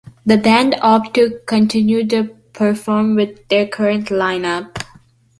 The band opted to continue to perform with their current line up.